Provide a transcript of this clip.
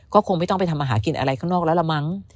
ก็คงไม่ต้องไปทำอาหารกินอะไรข้างนอกแล้วละมั้ง